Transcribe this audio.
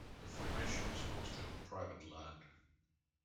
The formation is mostly on private land.